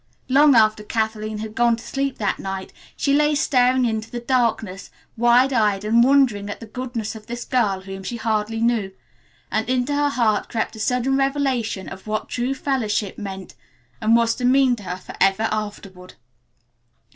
Long after Kathleen had gone to sleep that night she lay staring into the darkness, wide eyed and wondering at the goodness of this girl whom she hardly knew, and into her heart crept a sudden revelation of what true fellowship meant and was to mean to her forever afterward.